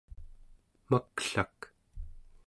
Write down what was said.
maklak